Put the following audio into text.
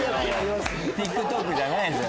ＴｉｋＴｏｋじゃないんすよ。